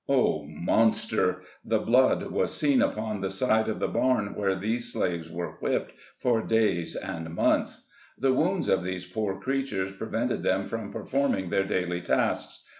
O, monster ! the blood was seen upon the side of the barn where these slaves were whipped for days and months. The wounds of these poor creatures prevented them from performing their daily tasks.